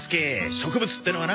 植物ってのはな